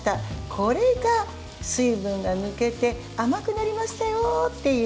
これが水分が抜けて甘くなりましたよっていう。